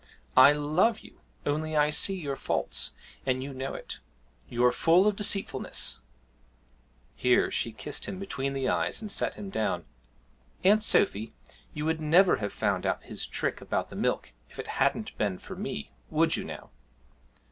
I love you, only I see your faults, and you know it. You're full of deceitfulness' (here she kissed him between the eyes and set him down). 'Aunt Sophy, you would never have found out his trick about the milk if it hadn't been for me would you now?'